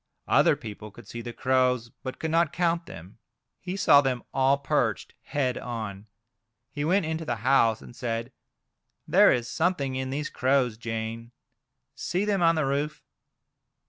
Other people could see the crows, but could not count them. 3O Crows. He saw them all perched head on. He went into the house, and said : "There is something in these crows, Jane; see them on the roof."